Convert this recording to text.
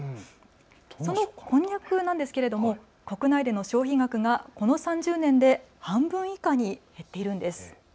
そのこんにゃくなんですけれども国内での消費額がこの３０年で半分以下に減っているんです。